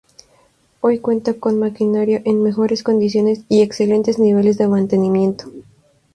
Hoy cuenta con maquinaria en mejores condiciones y excelentes niveles de mantenimiento.